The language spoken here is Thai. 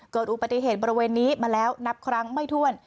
เกิดอุบัติเหตุบริเวณนี้มาแล้วนับครั้งไม่ถ้วน